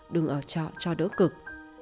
đừng ở chợ cho đỡ cực